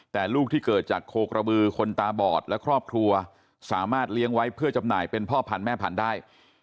แต่ลูกที่เกิดจากโคกระบือคนตาบอดและครอบครัวสามารถเลี้ยงไว้เพื่อจำหน่ายเป็นพ่อพันธุ์แม่พันธุ์ได้